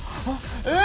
えっ！